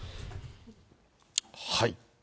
はい。